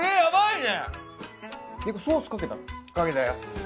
「ソースかけた？」